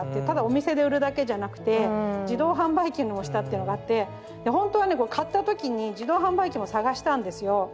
ただお店で売るだけじゃなくて自動販売機のを推したっていうのがあってでほんとはねこれ買った時に自動販売機も探したんですよ